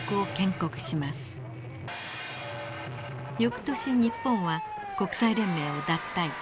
翌年日本は国際連盟を脱退。